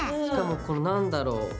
しかもこのなんだろう